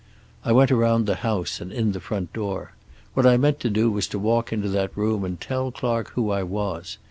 "I went around the house and in the front door. What I meant to do was to walk into that room and tell Clark who I was.